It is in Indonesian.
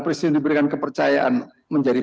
presiden diberikan kepercayaan menjadi